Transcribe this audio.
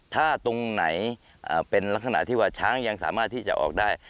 ถ้าตรงไหนเป็นลักษณะที่ว่าช้างยังสามารถที่จะออกได้